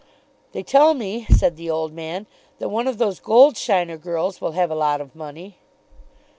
"They tell me," said the old man, "that one of those Goldsheiner girls will have a lot of money."